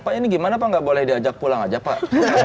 pak ini gimana pak nggak boleh diajak pulang aja pak